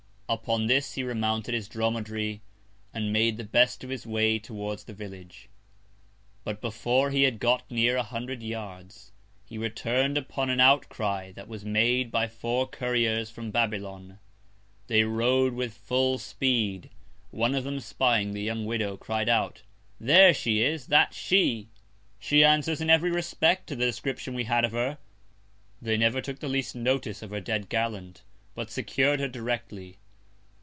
Upon this, he remounted his Dromedary, and made the best of his Way towards the Village: But before he had got near a hundred Yards, he return'd upon an Out cry that was made by four Couriers from Babylon. They rode full Speed. One of them, spying the young Widow, cried out. There she is, That's she. She answers in every Respect to the Description we had of her. They never took the least Notice of her dead Gallant, but secur'd her directly.